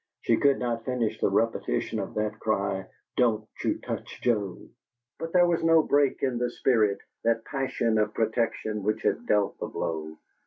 She could not finish the repetition of that cry, "Don't you touch Joe!" But there was no break in the spirit, that passion of protection which had dealt the blow.